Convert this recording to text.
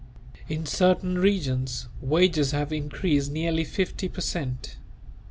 In certain regions wages have increased nearly fifty per cent.